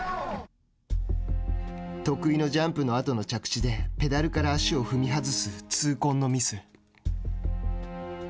得意のジャンプのあとの着地でペダルから足を踏み外す痛恨のミス。